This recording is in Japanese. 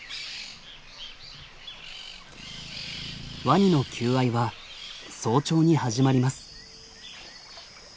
ワニの求愛は早朝に始まります。